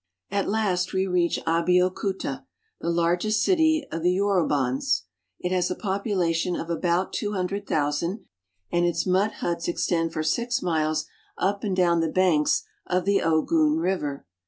At last we reach Abeokuta, the largest city of the Yorubans. It has a population of about two hundred thousand, and its mud huts extend for six miles up and down the banks of the Ogun River.